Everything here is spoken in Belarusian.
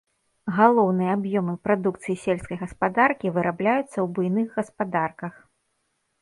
Галоўныя аб'ёмы прадукцыі сельскай гаспадаркі вырабляюцца ў буйных гаспадарках.